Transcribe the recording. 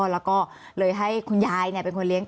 แล้วก็เลยให้คุณยายเนี่ยเป็นคนเลี้ยงต่อ